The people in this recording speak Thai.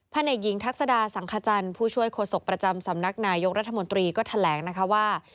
พยทักษดาสังคจรผู้ช่วยโคศกประจำสำนักนายยกรัฐมนตรีก็แถลงนะคะว่า